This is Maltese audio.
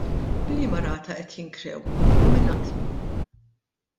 B'liema rata qed jinkrew u mingħand min?